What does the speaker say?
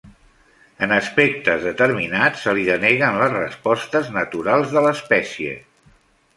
En aspectes determinats, se li deneguen les respostes naturals de l'espècie.